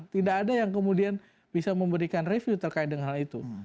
tidak ada yang kemudian bisa memberikan review terkait dengan hal itu